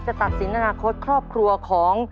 ตัดสินอนาคตครอบครัวของ